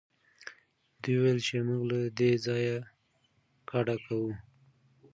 دوی وویل چې موږ له دې ځایه کډه کوو.